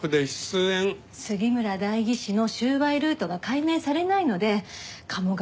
杉村代議士の収賄ルートが解明されないので鴨川